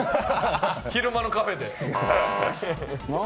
昼間のカフェで。